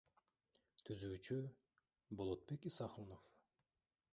Түзүүчүсү — Болотбек Исахунов.